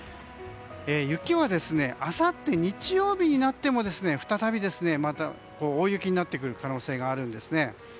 雪はあさって日曜日になっても再び大雪になってくる可能性があるんです。